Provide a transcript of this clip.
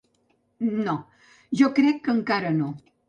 No, jo crec que encara no.